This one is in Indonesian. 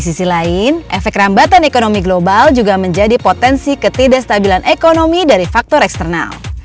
di sisi lain efek rambatan ekonomi global juga menjadi potensi ketidakstabilan ekonomi dari faktor eksternal